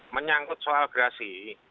menyangkut soal grasi